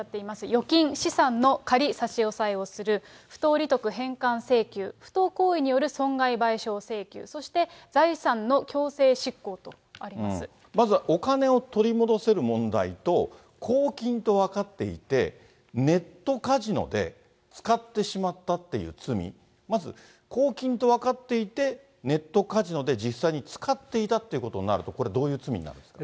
預金、資産の仮差し押さえをする、不当利得返還請求、不当行為による損害賠償請求、まずお金を取り戻せる問題と、公金と分かっていて、ネットカジノで使ってしまったっていう罪、まず公金と分かっていて、ネットカジノで実際に使っていたっていうことになると、これ、どういう罪になるんですか。